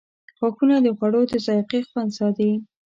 • غاښونه د خوړو د ذایقې خوند ساتي.